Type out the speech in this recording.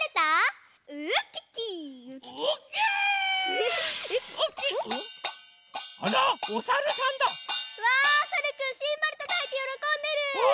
うわさるくんシンバルたたいてよろこんでる！